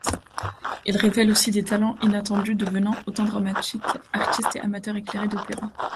Il révèle aussi des talents inattendus, devenant auteur dramatique, artiste et amateur éclairé d'opéra.